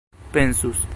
pensus